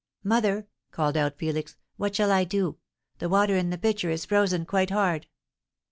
"Mother," called out Felix, "what shall I do? The water in the pitcher is frozen quite hard."